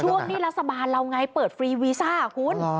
หนี้รัฐบาลเราไงเปิดฟรีวีซ่าคุณ